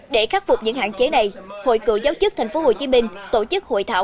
để khắc phục những hạn chế này hội cựu giáo chức tp hcm tổ chức hội thảo